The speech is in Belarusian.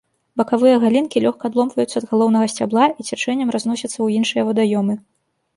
Бакавыя галінкі лёгка адломваюцца ад галоўнага сцябла і цячэннем разносяцца ў іншыя вадаёмы.